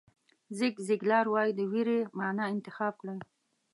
زیګ زیګلار وایي د وېرې معنا انتخاب کړئ.